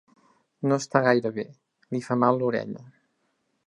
No està gaire bé: li fa mal l'orella.